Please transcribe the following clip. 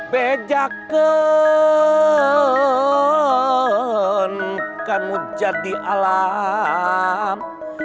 bejakan kanu jadi alam